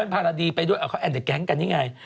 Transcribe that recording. เปิ้ลพาราดีไปด้วยเอาของแอนด์เต็กแก๊งกันใช่ไง